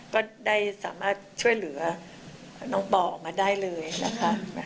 ก็ได้สามารถช่วยเหลือน้องปอออกมาได้เลยนะคะ